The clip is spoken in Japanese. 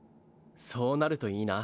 そうなるといいな。